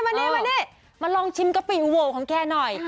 มะเน๊ะมาลองชิมกะปิโว้ยของแกหน่อย